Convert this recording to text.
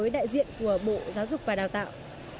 điện của bộ giáo dục và đào tạo